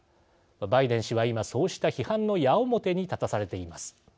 バイデン氏は今そうした批判の矢面に立たされています。